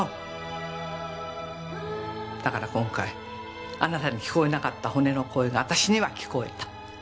だから今回あなたに聞こえなかった骨の声が私には聞こえた。